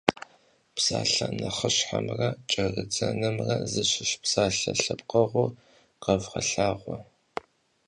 Псалъэ нэхъыщхьэмрэ кӏэрыдзэнымрэ зыщыщ псалъэ лъэпкъыгъуэр къэвгъэлъагъуэ.